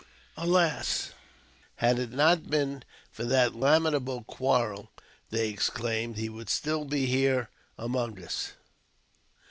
" Alas ! had it not been for that lamentable quarrel," they exclaimed, " he would still have been among us.